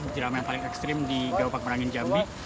jeram yang paling ekstrim di gawapak merangin jambi